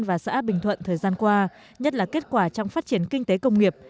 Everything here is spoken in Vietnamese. và xã bình thuận thời gian qua nhất là kết quả trong phát triển kinh tế công nghiệp